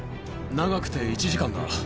長くて１時間だ。